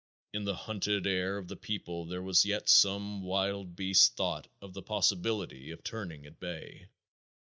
In the hunted air of the people there was yet some wild beast thought of the possibility of turning at bay.